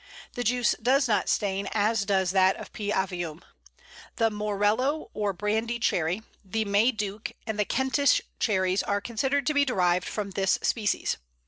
The juice does not stain as does that of P. avium. The Morello or Brandy Cherry, the May Duke, and the Kentish Cherries are considered to be derived from this species.